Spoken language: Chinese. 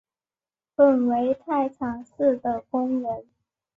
本为太常寺的工人。